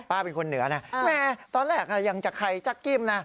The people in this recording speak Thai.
เป็นคนเหนือนะแม่ตอนแรกยังจะใครจักกิ้มนะ